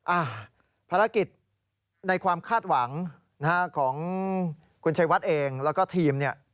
อ่าภารกิจในความคาดหวังนะฮะของคุณชัยวัดเองแล้วก็ทีมเนี่ย